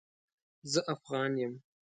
زه افغان يم